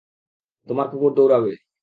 তোমার কুকুর দৌড়াবে।